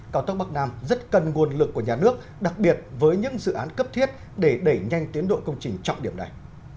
cao tốc bắc nam rất cần nguồn lực của nhà nước đặc biệt với những dự án cấp thiết để đẩy nhanh tiến độ công trình trọng điểm này